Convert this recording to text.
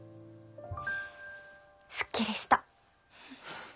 すっきりした。